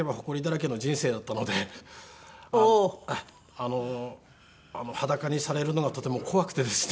あの裸にされるのがとても怖くてですね。